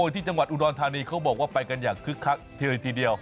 ที่จังหวัดอุดรธานีเขาบอกว่าไปกันอย่างคึกคักทีเลยทีเดียว